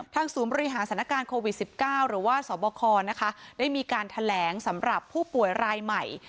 ศูนย์บริหารสถานการณ์โควิด๑๙หรือว่าสบคนะคะได้มีการแถลงสำหรับผู้ป่วยรายใหม่